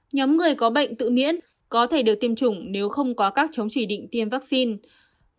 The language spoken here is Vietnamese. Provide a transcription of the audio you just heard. nhóm người có bệnh tự miễn có thể được tiêm chủng nếu không có các chống chỉ định tiêm vaccine